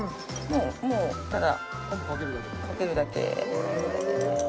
もうただかけるだけ。